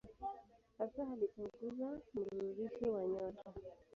Hasa alichunguza mnururisho wa nyota.